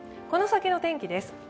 この先の天気です。